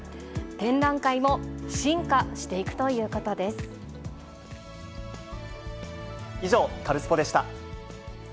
展覧会もシン化していくとい以上、カルスポっ！でした。